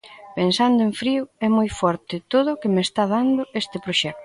Pensando en frío, é moi forte todo que me está dando este proxecto.